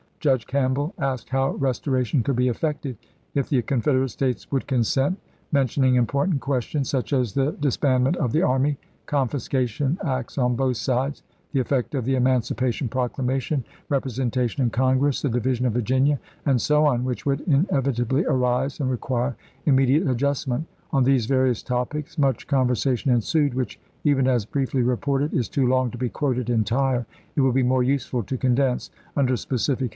Judge Campbell asked how restoration could be effected if the Confederate States would consent, mentioning important questions, such as the dis bandment of the army, confiscation acts on both sides, the effect of the Emancipation Proclamation, representation in Congress, the division of Vir ginia, and so on, which would inevitably arise and require immediate adjustment. On these various topics much conversation ensued, which, even as briefly reported, is too long to be quoted entire. It will be more useful to condense, under specific Feb.